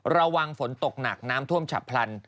ระวังฝนตกหนักน้ำท่วมฉับพลัน